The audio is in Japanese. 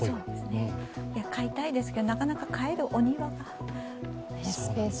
飼いたいですけど、なかなか飼えるお庭が。